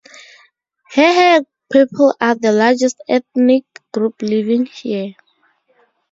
Hehe people are the largest ethnic group living here.